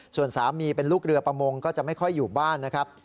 ส่วนสามีเป็นลูกเรือประมงก็จะไม่ค่อยอยู่บ้านนะครับ